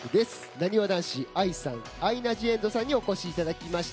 なにわ男子、ＡＩさんアイナ・ジ・エンドさんにお越しいただきました。